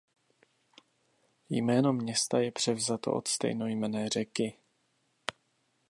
Jméno města je převzato od stejnojmenné řeky.